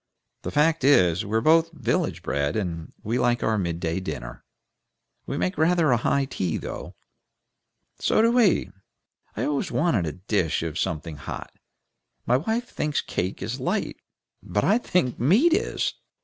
The fact is, we're both village bred, and we like the mid day dinner. We make rather a high tea, though." "So do we. I always want a dish of something hot. My wife thinks cake is light, but I think meat is."